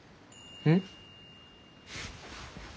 うん？